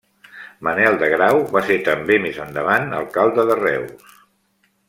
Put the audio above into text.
Manuel de Grau va ser també, més endavant, alcalde de Reus.